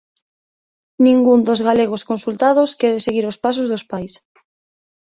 Ningún dos galegos consultados quere seguir os pasos dos pais